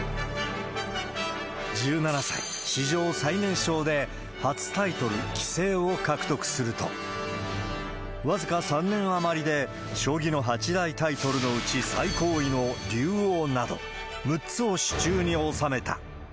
１７歳、史上最年少で初タイトル、棋聖を獲得すると、僅か３年余りで、将棋の八大タイトルのうち最高位の竜王など、６つを手中に収めた。